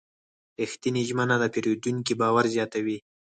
رښتینې ژمنه د پیرودونکي باور زیاتوي.